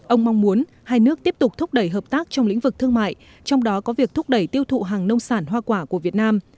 ông mong muốn hai nước tiếp tục thúc đẩy hợp tác trong lĩnh vực thương mại trong đó có việc thúc đẩy tiêu thụ hàng nông sản hoa quả của việt nam